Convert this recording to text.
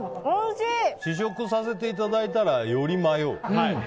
試食させていただいたらより迷う。